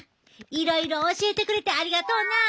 いろいろ教えてくれてありがとうなあ。